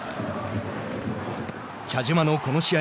茶島のこの試合